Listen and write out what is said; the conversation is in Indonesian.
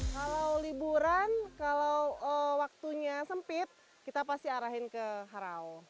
kalau liburan kalau waktunya sempit kita pasti arahin ke harau